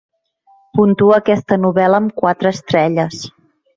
puntua aquesta novel·la amb quatre estrelles